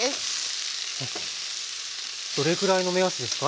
どれくらいの目安ですか？